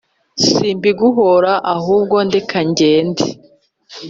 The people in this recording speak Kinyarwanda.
simbiguhora ahubwo ndeka ngende